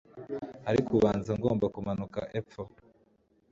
ariko ubanza ngomba kumanuka epfo